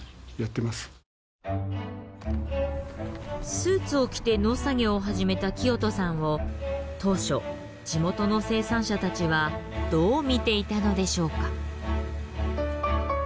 スーツを着て農作業を始めた聖人さんを当初地元の生産者たちはどう見ていたのでしょうか？